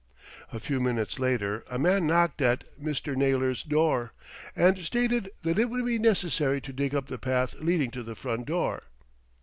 A few minutes later a man knocked at Mr. Naylor's door, and stated that it would be necessary to dig up the path leading to the front door.